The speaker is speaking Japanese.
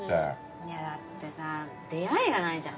いやだってさぁ出会いがないじゃん。